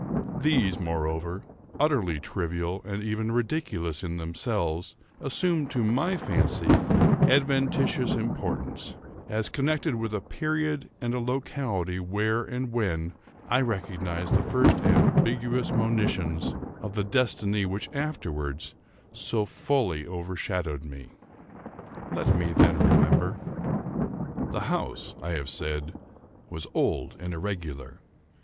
These, moreover, utterly trivial, and even ridiculous in themselves, assume, to my fancy, adventitious importance, as connected with a period and a locality when and where I recognise the first ambiguous monitions of the destiny which afterwards so fully overshadowed me. Let me then remember. The house, I have said, was old and irregular.